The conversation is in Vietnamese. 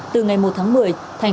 từ ngày một tháng một mươi